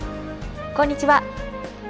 こんにちは。